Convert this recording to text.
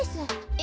え？